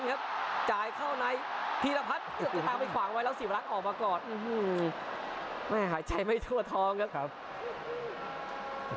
เอาอะไรครับศัพท์เข้านายแต่งเข้ามา